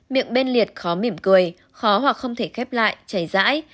miệng bên liệt khó mỉm cười khó hoặc không thể khép lại chảy rãi